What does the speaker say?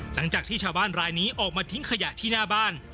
หลังจากที่ชาวบ้านรายนี้ออกมาทิ้งขยะที่หน้าบ้าน